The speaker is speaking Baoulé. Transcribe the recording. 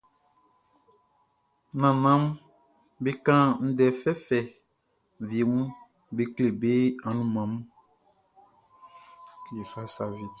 Nannanʼm be kan ndɛ fɛfɛ wie mun be kle be anunman mun.